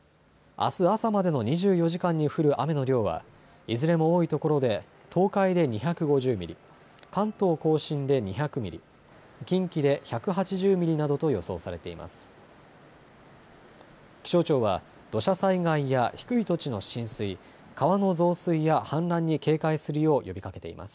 あす朝までの２４時間に降る雨の量はいずれも多い所で東海で２５０ミリ、関東甲信で２００ミリ、近畿で１８０ミリなどと予想されています。